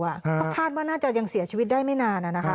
ก็คาดว่าน่าจะยังเสียชีวิตได้ไม่นาน